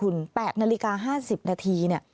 ๘นาฬิกา๕๐นาที